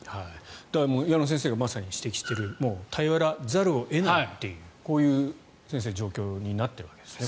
だから、矢野先生がまさに指摘している頼らざるを得ないという状況になっているわけですね。